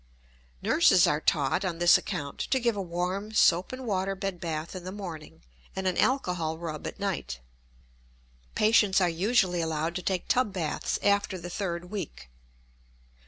Nurses are taught, on this account, to give a warm soap and water bed bath in the morning and an alcohol rub at night. Patients are usually allowed to take tub baths after the third week.